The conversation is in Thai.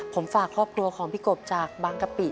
ผมฝากครอบครัวของพี่กบจากบางกะปิ